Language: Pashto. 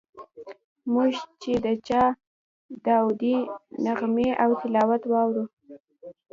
موږ چې د چا داودي نغمې او تلاوت واورو.